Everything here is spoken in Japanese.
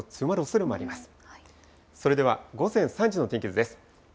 それでは午前３時の天気図です。